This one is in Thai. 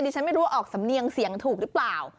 ฉันไม่รู้ว่าออกสำเนียงเสียงถูกหรือเปล่า